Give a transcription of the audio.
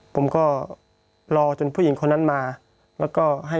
พี่เรื่องมันยังไงอะไรยังไง